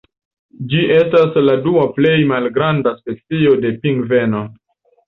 Ĝi estas la dua plej malgranda specio de pingveno.